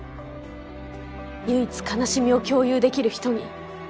唯一悲しみを共有できる人に。